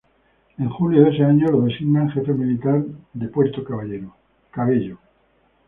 En julio de ese año lo designan jefe militar de Puerto Cabello.